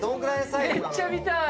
めっちゃ見たい！